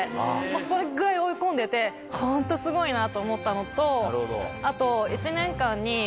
それぐらい追い込んでてホントすごいなと思ったのとあと。